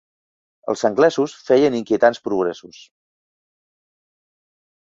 Els anglesos feien inquietants progressos.